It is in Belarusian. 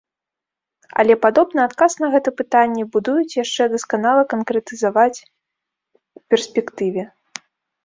Але, падобна, адказ на гэта пытанне будуюць яшчэ дасканала канкрэтызаваць ў перспектыве.